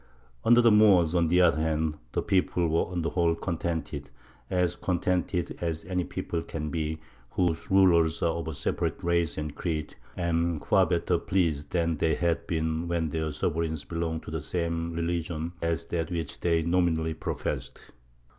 Under the Moors, on the other hand, the people were on the whole contented as contented as any people can be whose rulers are of a separate race and creed, and far better pleased than they had been when their sovereigns belonged to the same religion as that which they nominally professed.